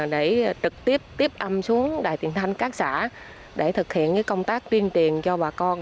để trực tiếp tiếp âm xuống đài tiền thanh các xã để thực hiện công tác tuyên tiền cho bà con